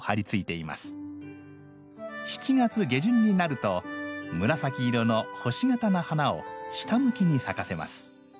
７月下旬になると紫色の星形の花を下向きに咲かせます。